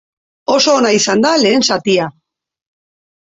Oso ona izan da lehen zatia.